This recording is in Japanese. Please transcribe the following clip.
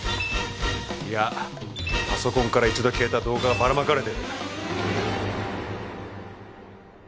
いやパソコンから一度消えた動画がばらまかれてる。